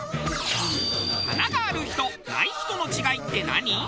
華がある人ない人の違いって何？